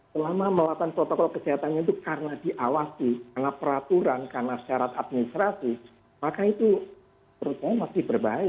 selama melakukan protokol kesehatannya itu karena diawasi karena peraturan karena syarat administrasi maka itu menurut saya masih berbahaya